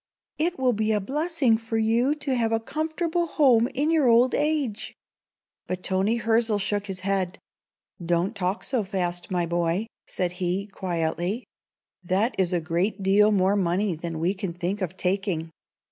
It will be a blessing for you to have a comfortable home in your old age." But Toni Hirzel shook his head. "Don't talk so fast, my boy," said he, quietly. "That is a great deal more money than we can think of taking.